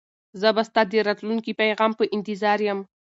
زه به ستا د راتلونکي پیغام په انتظار یم.